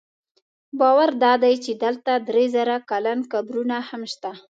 باور دا دی چې دلته درې زره کلن قبرونه هم شته.